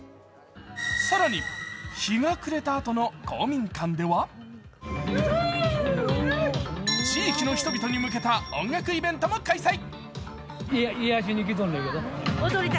更に、日が暮れたあとの公民館では地域の人々に向けた音楽イベントも開催。